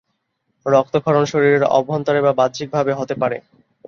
রক্তক্ষরণ শরীরের অভ্যন্তরে বা বাহ্যিকভাবে হতে পারে।